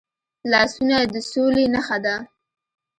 لاسونه د سولې نښه ده